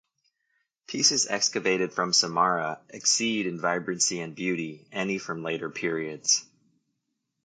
Pieces excavated from Samarra exceed in vibrancy and beauty any from later periods.